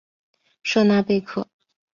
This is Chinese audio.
舍纳贝克。